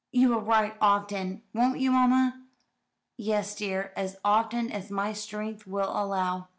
You will write often, won't you, mamma?" "Yes, dear, as often as my strength will allow."